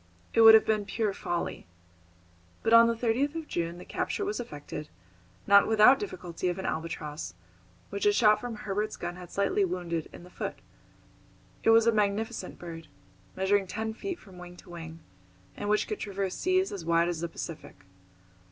It would have been pure folly. But on the 30th of June the capture was effected, not without difficulty, of an albatross, which a shot from Herbert's gun had slightly wounded in the foot. It was a magnificent bird, measuring ten feet from wing to wing, and which could traverse seas as wide as the Pacific.